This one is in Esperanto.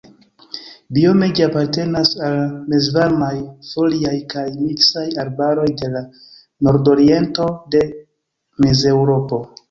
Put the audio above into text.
Biome ĝi apartenas al mezvarmaj foliaj kaj miksaj arbaroj de la nordoriento de Mezeŭropo.